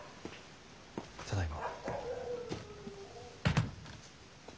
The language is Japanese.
ただいま。